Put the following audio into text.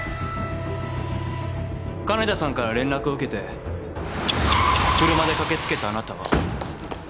金田さんから連絡を受けて車で駆け付けたあなたは。